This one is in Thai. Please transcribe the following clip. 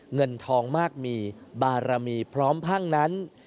เงินทองมากมีบารมีพร้อมพังนั้น